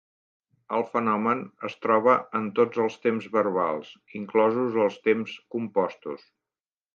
El fenomen es troba en tots els temps verbals, inclosos els temps compostos.